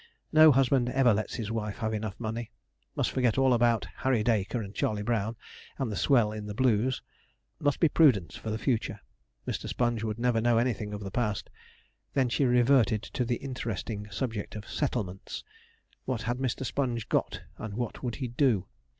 no husband ever let his wife have enough money. Must forget all about Harry Dacre and Charley Brown, and the swell in the Blues. Must be prudent for the future. Mr. Sponge would never know anything of the past. Then she reverted to the interesting subject of settlements. 'What had Mr. Sponge got, and what would he do?'